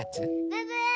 ブブー！